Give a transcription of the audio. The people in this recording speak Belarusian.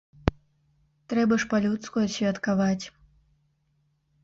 Трэба ж па-людску адсвяткаваць.